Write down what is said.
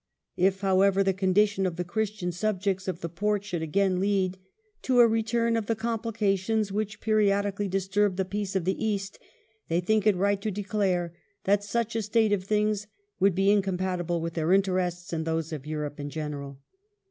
If, however, the condition of the Christian subjects of the Porte should again lead to a " return of the compli cations which periodically disturb the peace of the East, they think it right to declare that such a state of things would be incompat ible with their interests and those of Europe in general